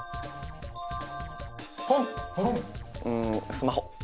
スマホ。